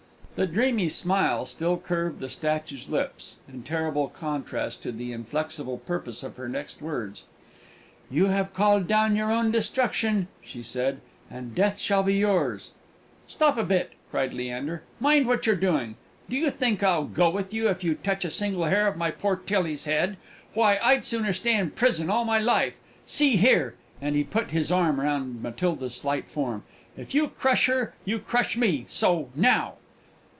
The dreamy smile still curved the statue's lips, in terrible contrast to the inflexible purpose of her next words. "You have called down your own destruction," she said, "and death shall be yours!" "Stop a bit," cried Leander, "mind what you're doing! Do you think I'll go with you if you touch a single hair of my poor Tillie's head? Why, I'd sooner stay in prison all my life! See here," and he put his arm round Matilda's slight form; "if you crush her, you crush me so now!"